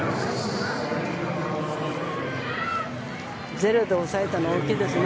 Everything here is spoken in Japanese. ゼロで抑えたのは大きいですね。